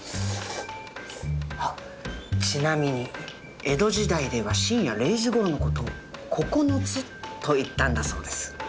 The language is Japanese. あっちなみに江戸時代では深夜０時ごろの事を九つと言ったんだそうです。